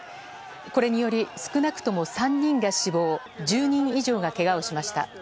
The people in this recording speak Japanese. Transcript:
これにより少なくとも３人が死亡１０人以上がけがをしました。